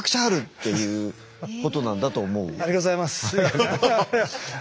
ありがとうございます。